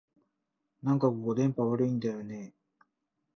なんかここ、電波悪いんだよねえ